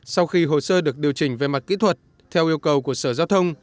sau khi hồ sơ được điều chỉnh về mặt kỹ thuật theo yêu cầu của sở giao thông